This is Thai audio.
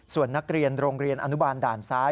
ส่วนนักเรียนโรงเรียนอนุบาลด่านซ้าย